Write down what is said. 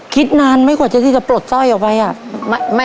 คิดนานไม่กว่าจะที่จะปลดสร้อยออกไปอ่ะ